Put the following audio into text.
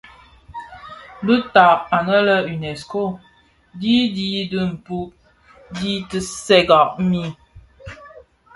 Bi tad anë lè Unesco dii di dhipud di tiisènga bi.